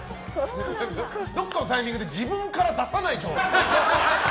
どこかのタイミングで自分から出さないと。